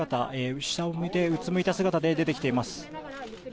下を向いて、うつむいた姿で出てきています。